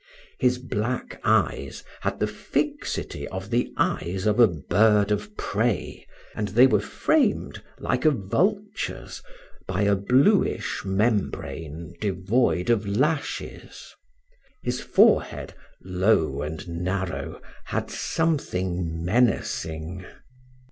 His black eyes had the fixity of the eyes of a bird of prey, and they were framed, like a vulture's, by a bluish membrane devoid of lashes. His forehead, low and narrow, had something menacing.